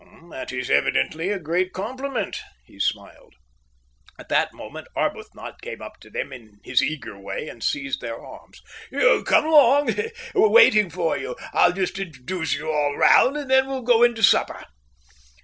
"That is evidently a great compliment," he smiled. At that moment Arbuthnot came up to them in his eager way and seized their arms. "Come along. We're waiting for you. I'll just introduce you all round, and then we'll go in to supper."